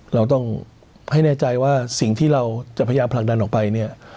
เราต้องให้แน่ใจว่าสิ่งที่เราจะพยายามผลักดันออกไปเนี่ย